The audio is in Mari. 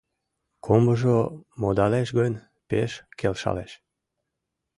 Комбыжо модалеш гын, пеш келшалеш.